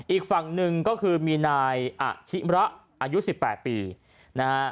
อีกฝั่งหนึ่งก็คือมีนายอาชิมระอายุ๑๘ปีนะฮะ